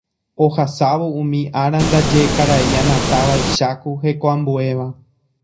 Ohasávo umi ára ndaje karai Anata vaicháku hekoambuéva.